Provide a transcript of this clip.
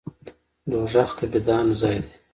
دوزخ د بدانو ځای دی